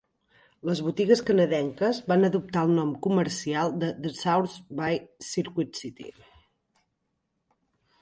Les botigues canadenques van adoptar el nom comercial de The Source by Circuit City.